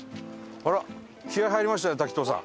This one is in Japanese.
あら気合入りましたね滝藤さん